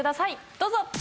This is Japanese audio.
どうぞ！